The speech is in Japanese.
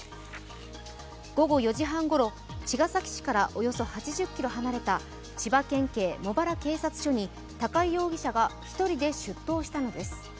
午後４時半ごろ、茅ヶ崎市からおよそ８０ｋｍ離れた千葉県茂原署に高井容疑者が１人で出頭したのです